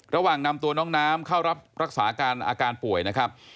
ระหว่างนำตัวน้องน้ำเข้ารับรักษาการอาการป่วยนะครับ